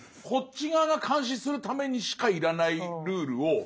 こっち側が監視するためにしか要らないルールを。